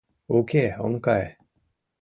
— Уке, ом кае».